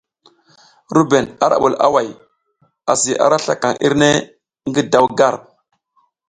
RUBEN ara bul away, asi ara slakaŋ irne ngi daw gar.